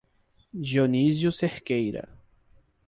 Dionísio Cerqueira